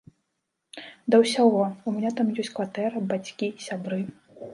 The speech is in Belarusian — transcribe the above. Да ўсяго, у мяне там ёсць кватэра, бацькі, сябры.